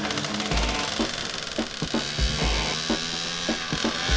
maaf mas silahkan melanjutkan perjalanan